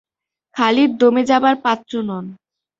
খালিদ দমে যাবার পাত্র নন।